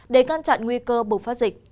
để ngăn chặn nguy cơ bùng phát dịch